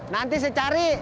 nanti saya cari